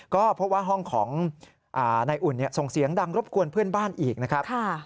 ก็พบว่าห้องของนายอุ่นส่งเสียงดังรบกวนเพื่อนบ้านอีกนะครับ